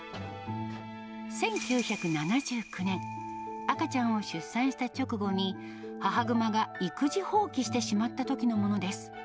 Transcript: １９７９年、赤ちゃんを出産した直後に、母グマが育児放棄してしまったときのものです。